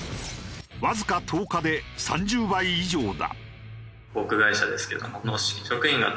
わずか１０日で３０倍以上だ。